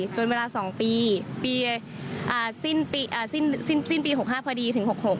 จนเวลา๒ปีปีสิ้นปี๖๕พอดีถึง๖๖